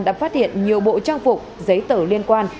đã phát hiện nhiều bộ trang phục giấy tờ liên quan